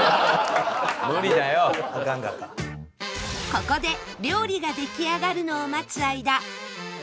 ここで料理が出来上がるのを待つ間